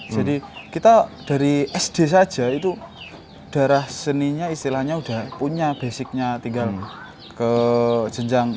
jadi kita dari sd saja itu darah seninya istilahnya udah punya basicnya tinggal ke jenjang